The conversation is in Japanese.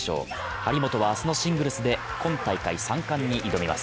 張本は明日のシングルスで今大会３冠に挑みます。